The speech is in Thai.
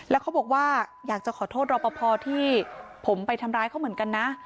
แล้วเขาบอกว่าอยากจะขอโทษรอปภที่ผมไปทำร้ายเขาเหมือนกันนะ